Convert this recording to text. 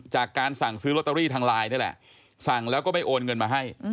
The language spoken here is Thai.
จากการสั่งซื้อลอตเตอรี่ทางไลน์นี่แหละสั่งแล้วก็ไม่โอนเงินมาให้